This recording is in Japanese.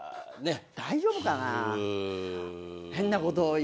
大丈夫かな？